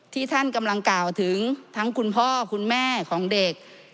ที่ท่านกำลังกล่าวถึงทั้งคุณพ่อคุณแม่ของเด็ก